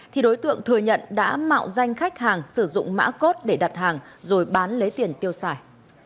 thì đối tượng thừa nhận đã mạo danh khách hàng sử dụng mã cốt để đặt hàng rồi bán lấy tiền tiêu xài